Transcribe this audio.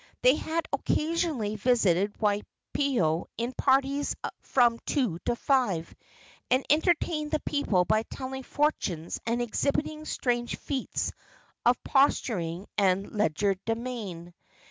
They had occasionally visited Waipio in parties of from two to five, and entertained the people by telling fortunes and exhibiting strange feats of posturing and legerdemain.